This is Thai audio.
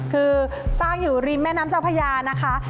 คือสร้างอยู่ริมแม่น้ำเจ้าพญานะคะ